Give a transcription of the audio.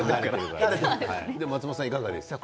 松本さん、いかがですか？